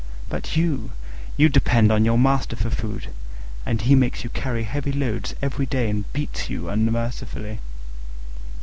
But you! you depend on your master for food, and he makes you carry heavy loads every day and beats you unmercifully."